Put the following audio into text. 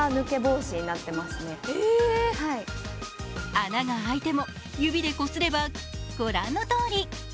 穴が開いても指で塞げば御覧のとおり。